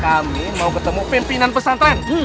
kami mau ketemu pimpinan pesantren